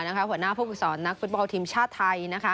เห็นกับผัวหน้าภูมิสอนนักฟุตบอลทีมชาติไทย